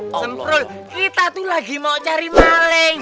semprot kita tuh lagi mau cari maling